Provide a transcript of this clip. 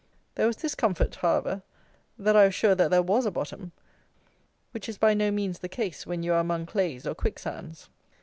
There was this comfort, however, that I was sure that there was a bottom, which is by no means the case when you are among clays or quick sands.